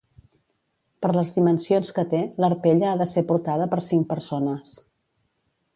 Per les dimensions que té, l'Arpella ha de ser portada per cinc persones.